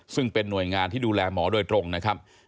ซึ่งเป็นหน่วยงานที่ดูแลหมอโดยตรงนะครับ